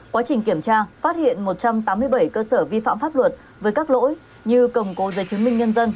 quá trình kiểm tra phát hiện một trăm tám mươi bảy cơ sở vi phạm pháp luật với các lỗi như cầm cố dây chứng minh nhân dân